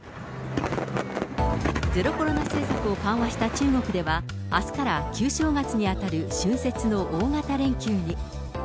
ゼロコロナ政策を緩和した中国では、あすから旧正月に当たる春節の大型連休に。